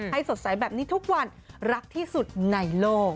สดใสแบบนี้ทุกวันรักที่สุดในโลก